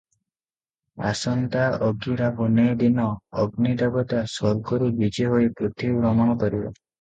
ଆସନ୍ତା ଅଗିରାପୂନେଇ ଦିନ ଅଗ୍ନି ଦେବତା ସ୍ୱର୍ଗରୁ ବିଜେ ହୋଇ ପୃଥିବୀ ଭ୍ରମଣ କରିବେ ।